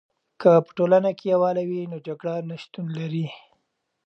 که په ټولنه کې یوالی وي، نو جګړه نه شتون لري.